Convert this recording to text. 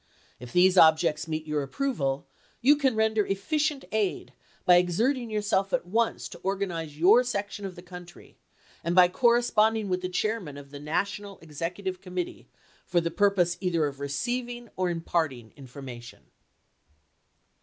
If these objects meet your approval, you can render eflficient aid by exerting yourself at once to organize your section of the country, and by corre sponding with the chairman of the National Executive by""rlKinai Committee for the purpose either of receiving or im circuiar. parting information.